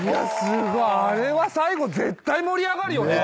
あれは最後絶対盛り上がるよね。